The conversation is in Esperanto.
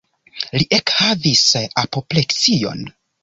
Li ekhavis apopleksion.